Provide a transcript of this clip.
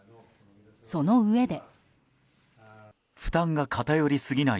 そのうえで。